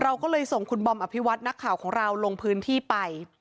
เราก็เลยส่งคุณบอมอภิวัตินักข่าวของเราลงพื้นที่ไป